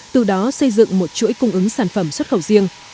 từ đó xây dựng một chuỗi cung ứng sản phẩm xuất khẩu riêng